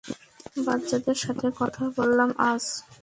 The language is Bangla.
বাচ্চাদের সাথে কথা বললাম আজ।